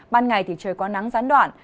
ban ngày thì trời có nắng gián đoạn